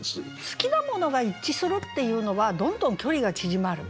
好きなものが一致するっていうのはどんどん距離が縮まる。